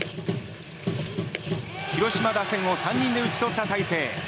広島打線を３人で打ち取った大勢。